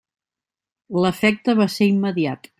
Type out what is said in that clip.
L'efecte va ser immediat.